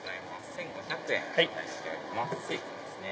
１５００円お願いしておりますＳｕｉｃａですね。